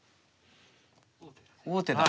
王手だ。